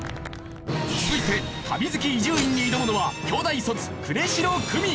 続いて旅好き伊集院に挑むのは京大卒呉城久美。